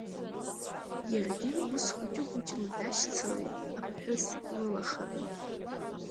Иаргьы ус хәыҷыхәыҷла дашьцылеит иԥҳәыс лылахара.